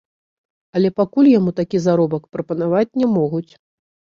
Але пакуль яму такі заробак прапанаваць не могуць.